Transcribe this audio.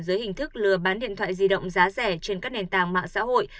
dưới hình thức lừa bán điện thoại di động giá rẻ trên các nền tảng mạng xã hội